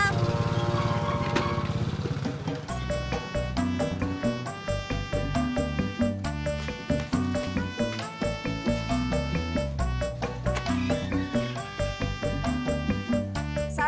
jangan jauh ayo